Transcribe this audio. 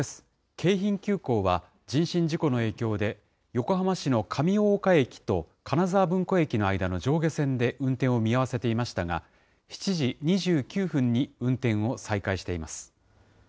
京浜急行は、人身事故の影響で、横浜市の上大岡駅と金沢文庫駅の間の上下線で運転を見合わせていましたが、７時２９分に運転を再開しています。